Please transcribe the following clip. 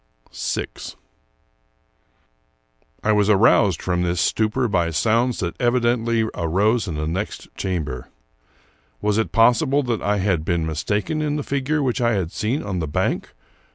VI I WAS aroused from this stupor by sounds that evidently arose in the next chamber. Was it possible that I had been mistaken in the figure which I had seen on the bank?